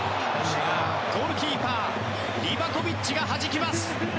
ゴールキーパーリバコビッチがはじきます。